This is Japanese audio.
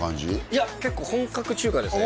いや結構本格中華ですね